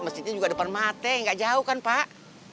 masjidnya juga depan mate nggak jauh kan pak